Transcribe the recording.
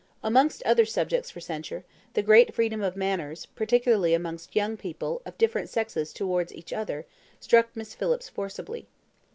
Amongst other subjects for censure, the great freedom of manners, particularly amongst young people of different sexes towards each other, struck Miss Phillips forcibly.